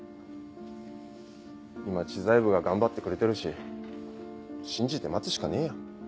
今知財部が頑張ってくれてるし信じて待つしかねえよ。